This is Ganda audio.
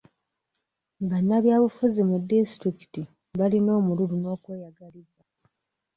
Bannabyabufuzi mu disitulikiti balina omululu n'okweyagaliza.